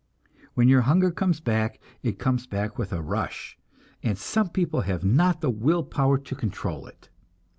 When your hunger comes back, it comes back with a rush, and some people have not the will power to control it.